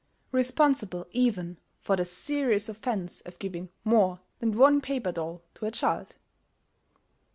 Responsible even for the serious offence of giving more than one paper doll to a child!